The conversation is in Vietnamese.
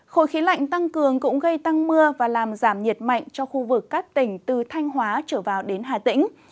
khối khí lạnh tăng cường cũng gây tăng mưa và làm giảm nhiệt mạnh cho khu vực các tỉnh từ thanh hóa trở vào đến hà tĩnh